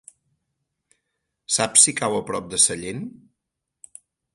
Saps si cau a prop de Sellent?